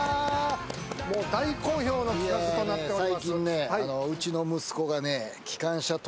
もう大好評の企画となっております